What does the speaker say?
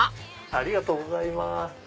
ありがとうございます。